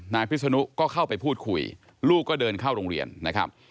พิศนุก็เข้าไปพูดคุยลูกก็เดินเข้าโรงเรียนนะครับ